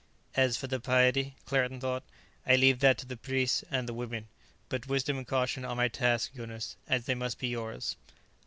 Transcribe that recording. "As for the piety," Claerten thought, "I leave that to the priests and the women. But wisdom and caution are my task, Jonas, as they must be yours."